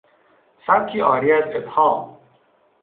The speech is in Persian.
سبکی عاری از ابهام